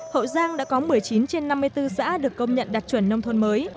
hậu giang đã có một mươi chín trên năm mươi bốn xã được công nhận đạt chuẩn nông thôn mới